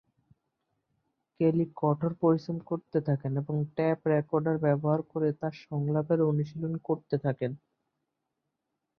কেলি কঠোর পরিশ্রম করতে থাকেন এবং টেপ রেকর্ডার ব্যবহার করে তার সংলাপের অনুশীলন করতে থাকেন।